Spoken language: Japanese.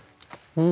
うん！